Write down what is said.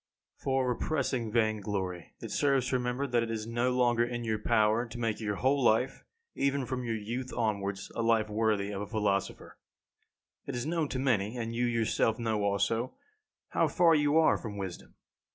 1. For repressing vain glory, it serves to remember that it is no longer in your power to make your whole life, even from your youth onwards, a life worthy of a philosopher. It is known to many, and you yourself know also, how far you are from wisdom.